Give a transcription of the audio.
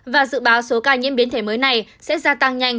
và dự báo số ca nhiễm biến thể mới này sẽ gia tăng nhanh